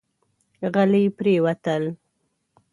غلي پرېوتل.